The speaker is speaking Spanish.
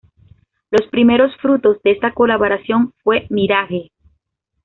Los primeros frutos de esta colaboración fue Mirage.